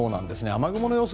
雨雲の様子